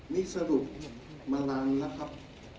นี่สรุปมานานแล้วครับ